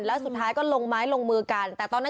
และสุดท้ายก็ลงไม้ลงมือกัน